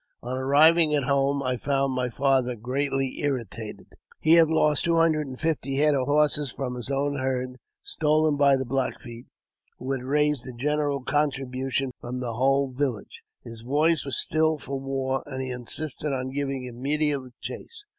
On arriving at home, I found my father greatly irritated. He had lost two hundred and fifty head of horses from his own herd, stolen by the Black Feet, who had raised a general contribution from the whole village. His voice was still for war, and he insisted on giving immediate chase.